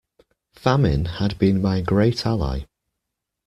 Famine had been my great ally.